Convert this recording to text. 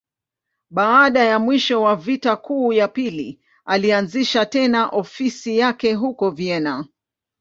Baada ya mwisho wa Vita Kuu ya Pili, alianzisha tena ofisi yake huko Vienna.